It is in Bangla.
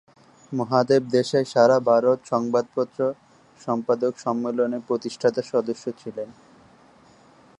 মহাদেব দেশাই সারা ভারত সংবাদপত্র সম্পাদক সম্মেলন- এর প্রতিষ্ঠাতা সদস্য ছিলেন।